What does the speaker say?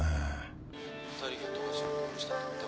２人が富樫を殺したと疑ってるのに。